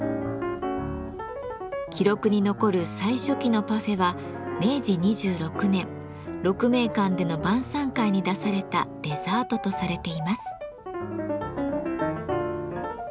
記録に残る最初期のパフェは明治２６年鹿鳴館での晩餐会に出されたデザートとされています。